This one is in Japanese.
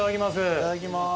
いただきます。